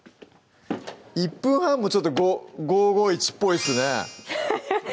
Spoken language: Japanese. １分半もちょっと５５１っぽいですね